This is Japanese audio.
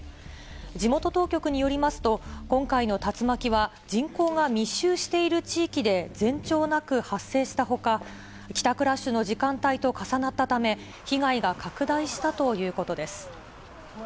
地元当局によりますと、今回の竜巻は、人口が密集している地域で前兆なく発生したほか、帰宅ラッシュの時間帯と重なったため、被害が拡大したということ